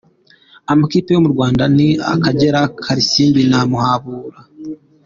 Amakipe yo mu Rwanda ni Akagera, Karisimbi na Muhabura.